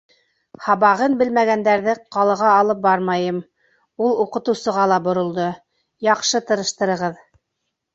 Һабағын белмәгәндәрҙе ҡалаға алып бармайым, — ул уҡытыусыға ла боролдо: — Яҡшы тырыштырығыҙ.